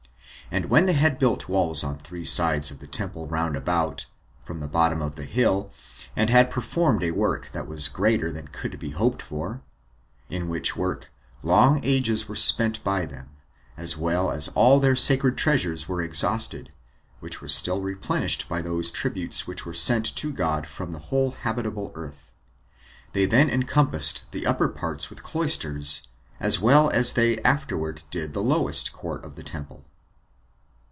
And when they had built walls on three sides of the temple round about, from the bottom of the hill, and had performed a work that was greater than could be hoped for, [in which work long ages were spent by them, as well as all their sacred treasures were exhausted, which were still replenished by those tributes which were sent to God from the whole habitable earth,] they then encompassed their upper courts with cloisters, as well as they [afterward] did the lowest [court of the] temple.